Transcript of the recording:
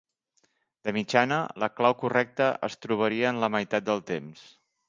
De mitjana, la clau correcta es trobaria en la meitat del temps.